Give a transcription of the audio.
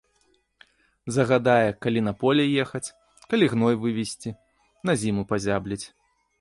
Загадае калі на поле ехаць, калі гной вывезці, на зіму пазябліць.